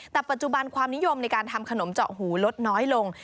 แต่ปัจจุบันความนิยมในการทำขนมเจาะหูลดน้อยลง